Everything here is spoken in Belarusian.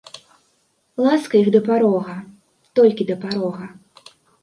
Ласка іх да парога, толькі да парога.